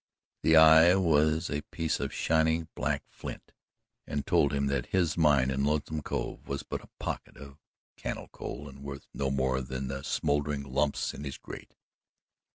The eye was a piece of shining black flint and told him that his mine in Lonesome Cove was but a pocket of cannel coal and worth no more than the smouldering lumps in his grate.